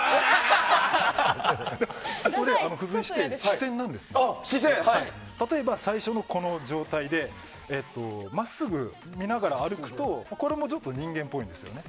そこに付随して視線なんですが例えば、最初のこの状態で真っすぐ見ながら歩くとこれもちょっと人間っぽいんですよね。